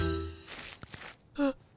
あっ。